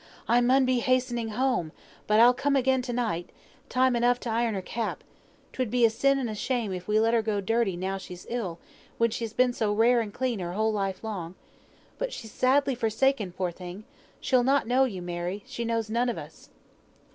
"I mun be hastening home, but I'll come again to night, time enough to iron her cap; 'twould be a sin and a shame if we let her go dirty now she's ill, when she's been so rare and clean all her life long. But she's sadly forsaken, poor thing! She'll not know you, Mary; she knows none on us."